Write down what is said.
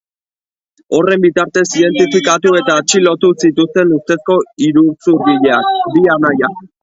Horren bitartez identifikatu eta atxilotu zituzten ustezko iruzurgileak, bi anaiak.